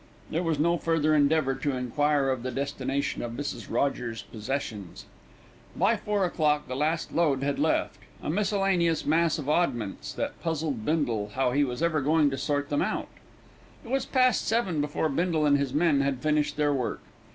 There was no further endeavour to enquire into the destination of Mrs. Rogers's possessions. By four o'clock the last load had left a miscellaneous mass of oddments that puzzled Bindle how he was ever going to sort them out. It was past seven before Bindle and his men had finished their work.